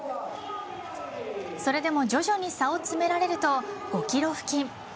それでも徐々に差を詰められると５キロ付近。